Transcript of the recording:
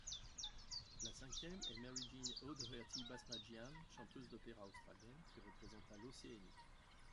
La cinquième est Mary-Jean O'Doherty Basmadjian, chanteuse d'opéra australienne, qui représenta l'Océanie.